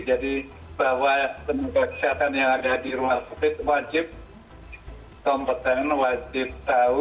jadi bahwa penegak kesehatan yang ada di rumah covid wajib kompeten wajib tahu